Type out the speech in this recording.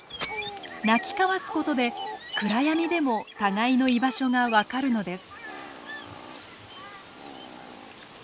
鳴き交わすことで暗闇でも互いの居場所が分かるのです。